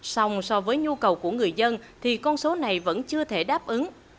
xong so với nhu cầu của người dân thì con số này vẫn chưa thể đáp ứng